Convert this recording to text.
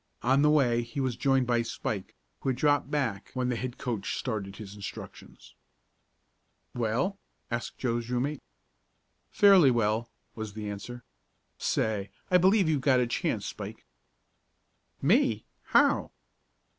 On the way he was joined by Spike, who had dropped back when the head coach started his instructions. "Well?" asked Joe's room mate. "Fairly well," was the answer. "Say, I believe you've got a chance, Spike." "Me? How?"